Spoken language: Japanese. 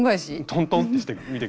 トントンってしてみて下さい。